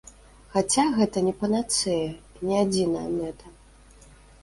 Хаця гэта не панацэя і не адзіная мэта.